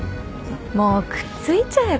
もうくっついちゃえば？